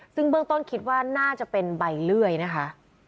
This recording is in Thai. ซึ่งเบื้องต้นคิดว่าน่าจะเป็นใบเลื่อยนะคะ